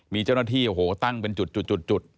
มีเจ้าหน้าที่โอ้โหตั้งเป็นจุด